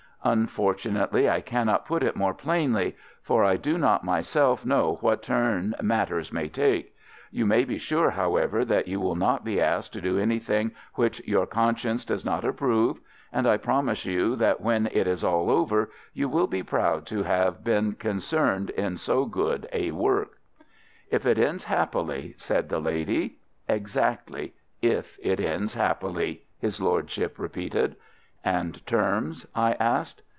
"Unfortunately I cannot put it more plainly, for I do not myself know what turn matters may take. You may be sure, however, that you will not be asked to do anything which your conscience does not approve; and I promise you that, when all is over, you will be proud to have been concerned in so good a work." "If it ends happily," said the lady. "Exactly; if it ends happily," his lordship repeated. "And terms?" I asked.